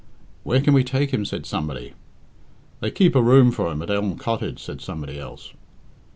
"Where can we take him?" said somebody. "They keep a room for him at Elm Cottage," said somebody else.